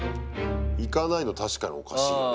いかないの確かに、おかしいね。